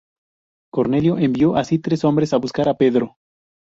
Cornelio envió así tres hombres a buscar a Pedro.